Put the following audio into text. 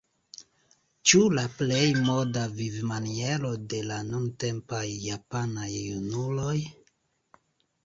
Ĉu la plej moda vivmaniero de la nuntempaj japanaj junuloj?